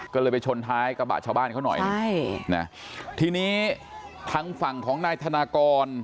ก็เลยไปชนท้ายกระบะชาวบ้านเขาหน่อยใช่นะทีนี้ทางฝั่งของนายธนากร